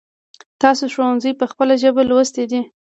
تاسو ښونځی په خپل ژبه لوستی دی ؟